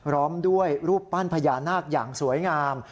พร้อมด้วยรูปปั้นพญานาคอย่างสวยงาม